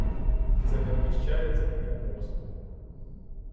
Це не вміщається мені в мозку!